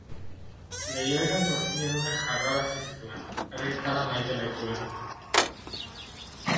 Leihoetan gortina ilunak jarrarazi zituen, argi-itzala maite baitzuen.